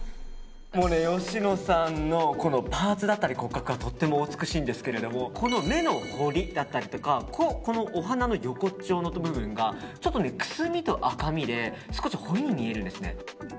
芳野さんのパーツだったり骨格はとてもお美しいんですけれどもこの目の彫りだったりお鼻の横っちょの部分がちょっとくすみと赤みで彫りに見えるんですね。